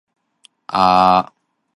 方丈好小氣架